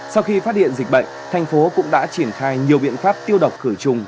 sau khi phát hiện dịch bệnh thành phố cũng đã triển khai nhiều biện pháp tiêu độc khử trùng